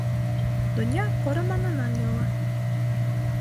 Донъя ҡораманан йыйыла.